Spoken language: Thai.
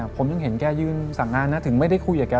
ผมยังเห็นแกยืนสั่งงานนะถึงไม่ได้คุยกับแก